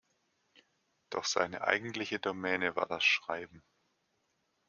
Doch seine eigentliche Domäne war das Schreiben.